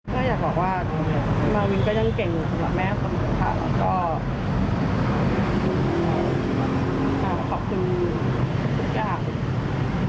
ก็อยากบอกว่ามาวินก็ยังเก่งอยู่สำหรับแม่เสมอค่ะแล้วก็ขอบคุณทุกอย่าง